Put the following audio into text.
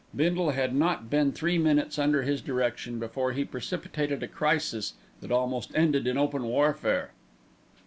Bindle had not been three minutes under his direction before he precipitated a crisis that almost ended in open warfare.